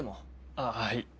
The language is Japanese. あっはい。